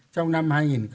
trong năm hai nghìn hai mươi